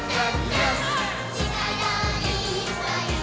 「ちからいっぱい」